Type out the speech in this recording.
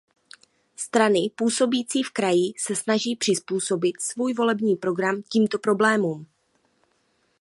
Strany působící v kraji se snaží přizpůsobit svůj volební program tímto problémům.